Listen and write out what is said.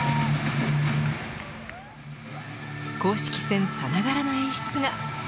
公式戦さながらの演出が。